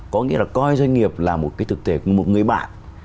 có nghĩa là coi doanh nghiệp là một cái thực thể của một người bạn